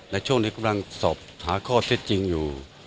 และช่วงนี้กำลังสอบหาข้อเท็จจริงอยู่